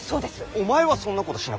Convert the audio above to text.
お前はそんなことしなくてよい。